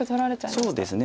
そうですね。